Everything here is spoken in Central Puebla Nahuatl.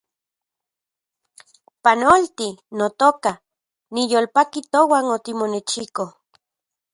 Panolti, notoka , niyolpaki touan otimonechiko